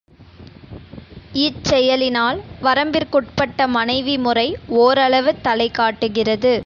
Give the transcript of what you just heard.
இச் செயலினால் வரம்பிற்குட்பட்ட மனைவி முறை ஓரளவு தலைகாட்டுகிறது.